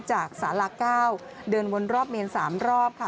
จากสาหรักเก้าเดินวนรอบเมนสามรอบค่ะ